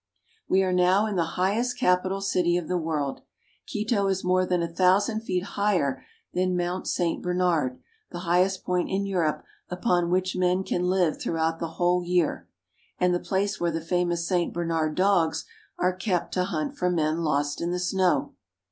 We are now in the highest capital city of the world. Quito is more than a thousand feet higher than Mount Saint Bernard, the highest point in Europe upon which men can Hve throughout the whole year, and the place where the famous Saint Bernard dogs are kept to hunt for men lost in the snow.